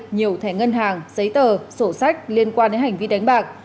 nhiều thẻ ngân hàng giấy tờ sổ sách liên quan đến hành vi đánh bạc